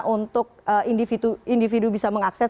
untuk individu bisa mengakses